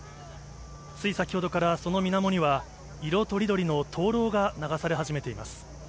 つい先ほどからそのみなもには、色とりどりの灯籠が流され始めています。